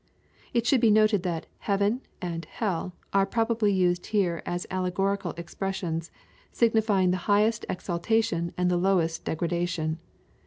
It should be noted that "heaven" and "hell" are probably used here as allegorical expressions, signifying the highest exaltation and the lowest degradation.